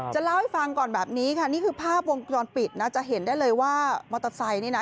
จะเล่าให้ฟังก่อนแบบนี้ค่ะนี่คือภาพวงจรปิดนะจะเห็นได้เลยว่ามอเตอร์ไซค์นี่นะ